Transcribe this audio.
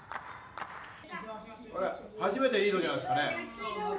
初めてリードじゃないですかね？